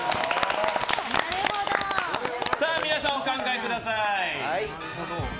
皆さん、お考えください。